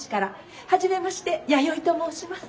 はじめまして弥生と申します。